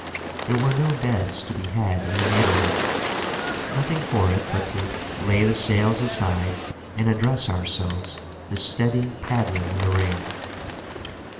There were no beds to be had in the neighbourhood. Nothing for it but to lay the sails aside and address ourselves to steady paddling in the rain.